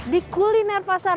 di kuliner pasar